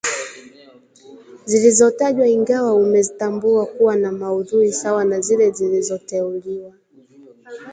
zilizotajwa ingawa umezitambua kuwa na maudhui sawa na zile zilizoteuliwa